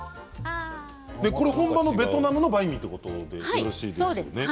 本場のベトナムのバインミーということでよろしいですよね。